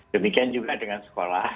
demikian juga dengan sekolah